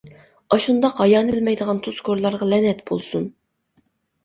ئاشۇنداق ھايانى بىلمەيدىغان تۇزكورلارغا لەنەت بولسۇن!